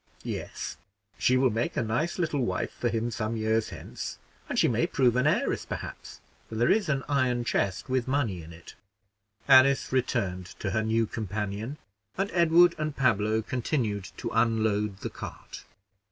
"Yes; she will make a nice little wife for him some years hence; and she may prove an heiress, perhaps, for there is an iron chest with money in it." Alice returned to her new companion, and Edward and Pablo continued to unload the cart.